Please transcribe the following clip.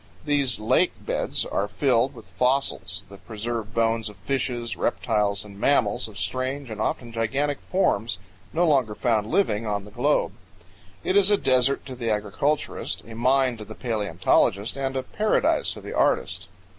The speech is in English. These lake beds are filled with fossils, the preserved bones of fishes, reptiles, and mammals, of strange and often gigantic forms, no longer found living on the globe. It is a desert to the agriculturist, a mine to the paleontologist, and a paradise to the artist.